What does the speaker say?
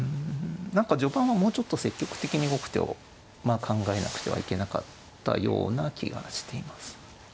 何か序盤はもうちょっと積極的に動く手を考えなくてはいけなかったような気がしています。